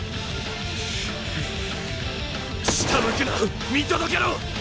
下向くな見届けろ！